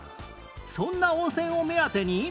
そんな温泉を目当てに